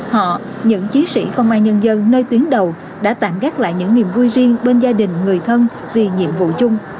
họ những chiến sĩ công an nhân dân nơi tuyến đầu đã tạm gác lại những niềm vui riêng bên gia đình người thân vì nhiệm vụ chung